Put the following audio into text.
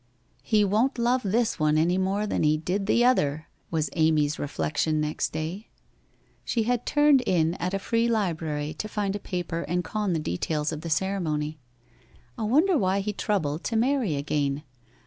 ' He won't love this one any more than he did the other !' was Amy's reflection next day. She had turned in at a Free Library to find a paper and con the details of the ceremony. ' I wonder why he troubled to marry again?